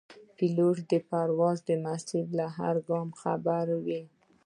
پیلوټ د پرواز د مسیر له هر ګامه خبر وي.